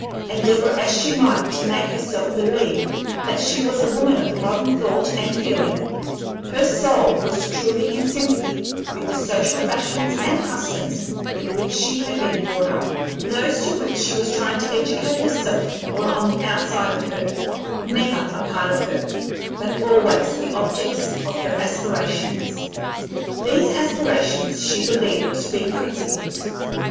Endeavor as she might to make herself believe that she was a woman of modern thought and feeling, her soul was truly in sympathy with the social fashions and customs in which she had been brought up; and those to which she was trying to educate herself were on the outside of her, never a part of her, but always the objects of her aspirations. These aspirations she believed to be principles.